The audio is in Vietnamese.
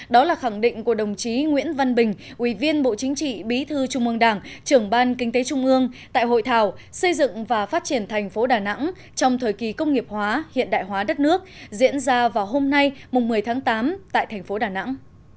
đó là khẳng định của đồng chí nguyễn văn bình ủy viên bộ chính trị bí thư trung ương đảng trưởng ban kinh tế trung ương tại hội thảo xây dựng và phát triển thành phố đà nẵng trong thời kỳ công nghiệp hóa hiện đại hóa đất nước diễn ra vào hôm nay một mươi tháng tám tại thành phố đà nẵng